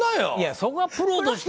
そこは、プロとして。